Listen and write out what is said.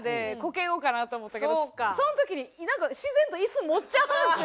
その時になんか自然と椅子持っちゃうんですよ。